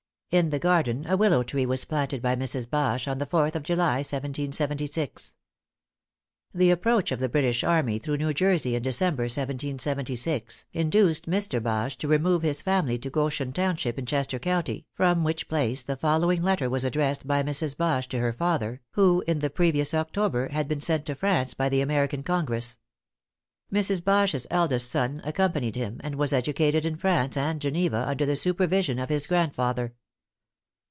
In the garden a willow tree was planted by Mrs. Bache on the 4th of July, 1776. The approach of the British army through New Jersey in December, 1776, induced Mr. Bache to remove his family to Goshen township in Chester County, from which place the following letter was addressed by Mrs. Bache to her father, who, in the previous October, had been sent to France by the American Congress. Mrs. Bache's eldest son accompanied him, and was educated in France and Geneva under the supervision of his grandfather.